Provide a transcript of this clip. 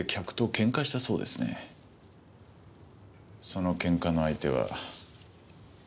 そのケンカの相手は。